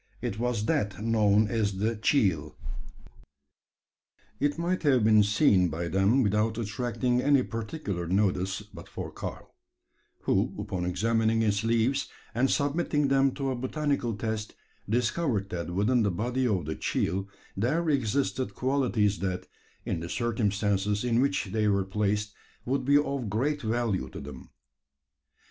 It was that known as the "cheel." It might have been seen by them without attracting any particular notice, but for Karl; who, upon examining its leaves, and submitting them to a botanical test, discovered that within the body of the "cheel" there existed qualities that, in the circumstances in which they were placed, would be of great value to them.